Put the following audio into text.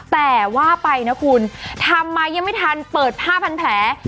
แต่ว่าไปนะคุณทำมายังไม่ทันเปิดผ้าพันแผล